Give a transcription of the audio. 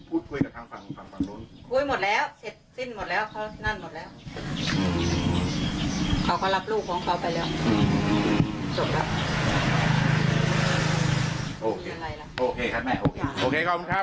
ไปซ้อมนะไปทำร้ายร่างกายนะ